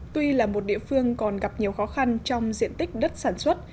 tuy là một địa phương còn gặp nhiều khó khăn trong diện tích đất sản xuất